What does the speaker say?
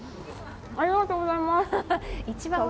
ありがとうございます。